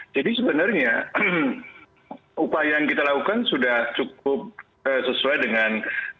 jadi sebenarnya upaya yang kita lakukan sudah cukup sesuai dengan